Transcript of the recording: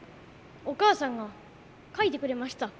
お母さんが書いてくれました。